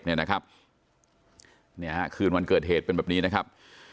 นี่คืนวันเกิดเหตุเป็นแบบนี้นะครับ